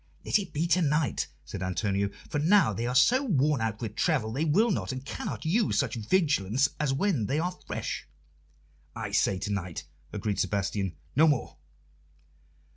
"Let it be to night," said Antonio, "for now they are so worn out with travel they will not and cannot use such vigilance as when they are fresh." "I say to night," agreed Sebastian. "No more."